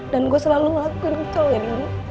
dan gue selalu ngelakuin kecelakaan ini